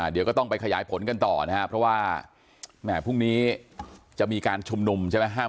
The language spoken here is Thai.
เดี๋ยวก็ต้องไปขยายผลกันต่อนะครับเพราะว่าแหม่พรุ่งนี้จะมีการชุมนุมใช่ไหม